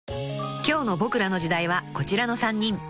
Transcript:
［今日の『ボクらの時代』はこちらの３人］